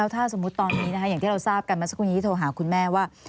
กันมาสักครู่นี้ที่โทรหาคุณแม่ว่า